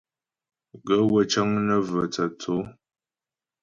Gaə̌ wə́ cə́ŋ nə́ və tsô tsaə̌.